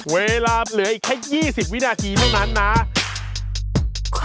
เวลาเหลืออีกแค่๒๐วินาทีเท่านั้นนะ